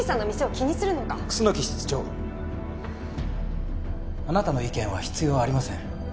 楠木室長あなたの意見は必要ありません。